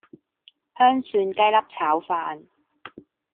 香蒜雞粒炒飯